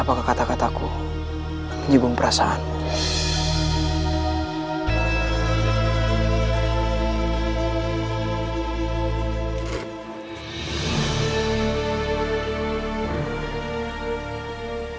apakah kata kataku menjubung perasaanmu